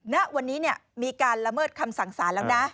ณวันนี้มีการละเมิดคำสั่งสารแล้วนะ